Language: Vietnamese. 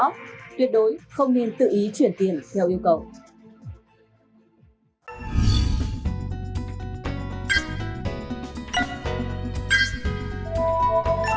tiền tuyệt đối không nên tự ý chuyển tiền theo yêu cầu à à ừ ừ ừ ừ ừ ừ ừ ừ ừ ừ ừ ừ